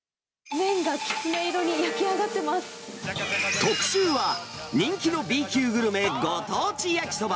麺がきつね色に焼き上がって特集は、人気のＢ級グルメ、ご当地焼そば。